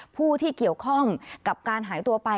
ผู้ที่เกี่ยวข้องกับการหายตัวไป